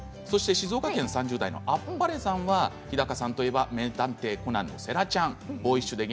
静岡県３０代の方は日高さんといえば「名探偵コナン」世良ちゃんです。